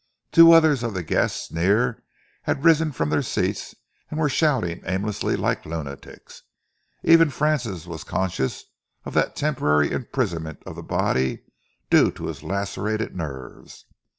Two other of the guests near had risen from their seats and were shouting aimlessly like lunatics. Even Francis was conscious of that temporary imprisonment of the body due to his lacerated nerves.